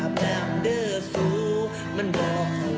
อากาศมาชั้น